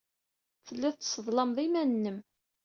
Tellid tesseḍlamed iman-nnem.